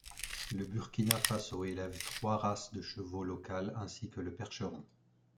Le Burkina Faso élève trois races de chevaux locales, ainsi que le Percheron.